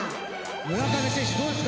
村上選手どうですか？